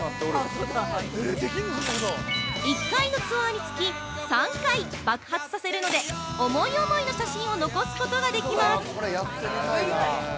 １回のツアーにつき３回爆発させるので、思い思いの写真を残すことができます！